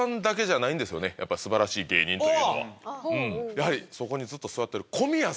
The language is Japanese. やはりそこにずっと座ってる。